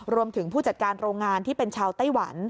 ผู้จัดการโรงงานที่เป็นชาวไต้หวัน